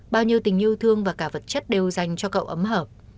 bao nhiêu tình yêu thương và cả vật chất đều dành cho cậu ấm hợp